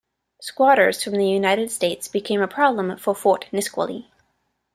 Squatters from the United States became a problem for Fort Nisqually.